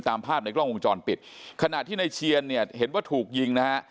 ตามภาพในกล้องวงจรปิดขณะที่ในเชียนเนี่ยเห็นว่าถูกยิงนะฮะ